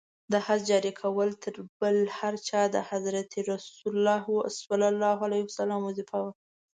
د حد جاري کول تر بل هر چا د حضرت رسول ص وظیفه وه.